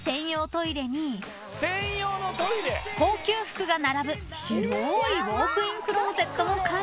［高級服が並ぶ広いウオークインクローゼットも完備］